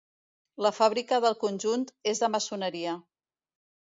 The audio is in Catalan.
La fàbrica del conjunt és de maçoneria.